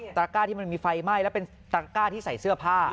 ระก้าที่มันมีไฟไหม้แล้วเป็นตระก้าที่ใส่เสื้อผ้า